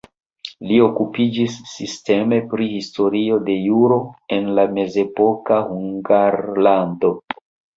Li okupiĝis sisteme pri historio de juro en la mezepoka Hungarlando.